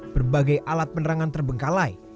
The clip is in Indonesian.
berbagai alat penerangan terbengkalai